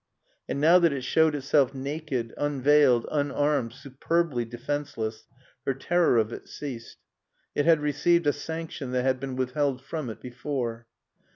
And now that it showed itself naked, unveiled, unarmed, superbly defenseless, her terror of it ceased. It had received a sanction that had been withheld from it before.